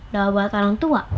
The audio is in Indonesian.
doa buat orang tua